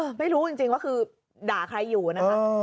ไม่รู้จริงว่าคือด่าใครอยู่นะคะ